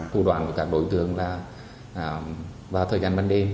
thủ đoạn của các đối tượng là vào thời gian ban đêm